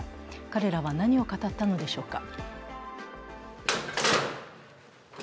彼らは何を語ったのでしょうか。